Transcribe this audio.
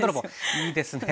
いいですね。